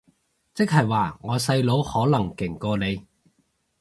即係話我細佬可能勁過你